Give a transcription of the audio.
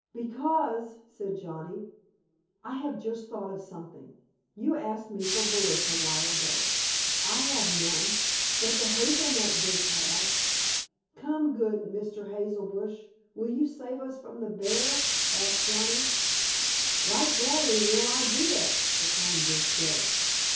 "Because," said Johnnie, "I have just thought of something. You asked me for bullets a while ago. I have none, but the hazel nut bush has. Come, good Mr. Hazel Bush, will you save us from the bear?" asked Johnnie. "Right gladly will I do that," the kind bush said.